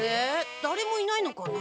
だれもいないのかなあ？